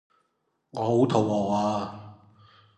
我好肚餓啊